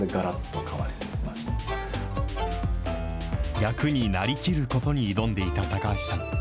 役になりきることに挑んでいた高橋さん。